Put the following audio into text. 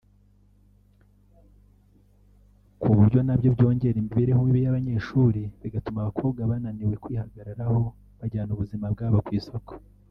ku buryo na byo byongera imibereho mibi y’abanyeshuri bigatuma abakobwa bananiwe kwihagararaho bajyana ubuzima bwabo ku isoko